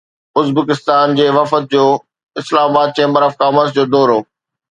Uzbekistan جي وفد جو Islamabad chamber of commerce جو دورو